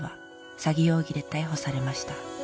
「詐欺容疑で逮捕されました」